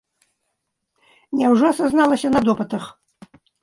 Няўжо сазналася на допытах?